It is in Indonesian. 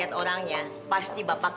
kamu tak salah